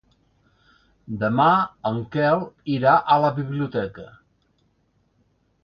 Demà en Quel irà a la biblioteca.